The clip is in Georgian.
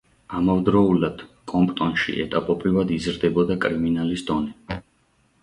ამავდროულად, კომპტონში ეტაპობრივად იზრდებოდა კრიმინალის დონე.